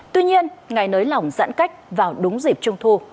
tuy nhiên ngày nới lỏng giãn cách vào đúng dịp trung thu